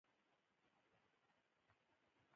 د ویګ سیاسي ګوند په اویا کال کې جوړ شوی و.